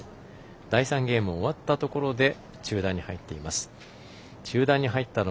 第３ゲームが終わったところで中断に入っています。